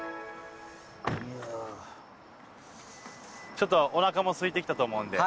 ちょっとお腹もすいてきたと思うんで。